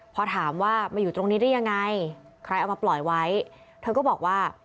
พอถามว่ามาอยู่ตรงนี้ได้ยังไงใครเอามาปล่อยไว้เธอก็บอกว่า